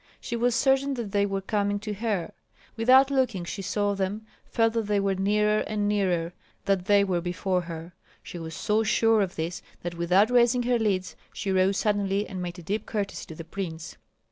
She was certain that they were coming to her. Without looking she saw them, felt that they were nearer and nearer, that they were before her. She was so sure of this that without raising her lids, she rose suddenly and made a deep courtesy to the prince.